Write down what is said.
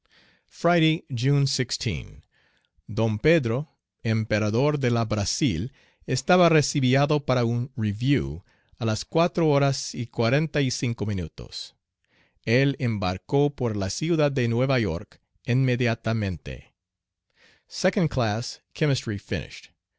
Friday, June 16. Dom Pedro, emperador de la Brasil estaba recibiado para un "review" a las cuatro horas y quarenta y cinco minutos. El embarcó por la ciudad de Nueva York inmediatemente Second class, chemistry finished.